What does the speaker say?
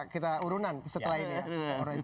kita urunan setelah ini ya